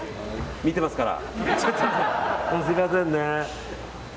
見てますから。